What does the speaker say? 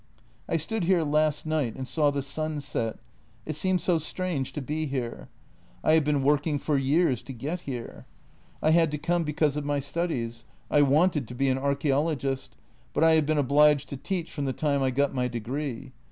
" I stood here last night and saw the sun set; it seemed so strange to be here. I have been working for years to get here. I had to come because of my studies. I wanted to be an archaeologist, but I have been obliged to teach from the time I got my degree.